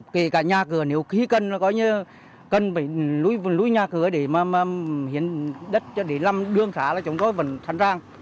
kể cả nhà cửa nếu khi cần là có nghĩa là cần phải núi nhà cửa để mà hiện đất cho đến làm đường xã là chúng tôi vẫn sẵn sàng